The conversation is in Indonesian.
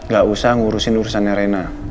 gak usah ngurusin urusannya rena